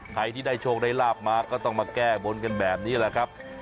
ใครที่ได้โชคได้ลาบมาก็ต้องมาแก้บนกันแบบนี้แหละครับ